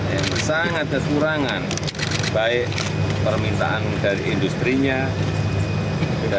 dan sangat ada kurangan baik permintaan dari industri industrinya